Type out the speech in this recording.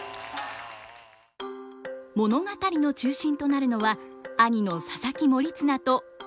物語の中心となるのは兄の佐々木盛綱と弟の高綱。